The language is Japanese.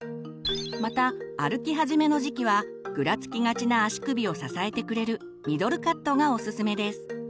また歩き始めの時期はぐらつきがちな足首を支えてくれる「ミドルカット」がおすすめです。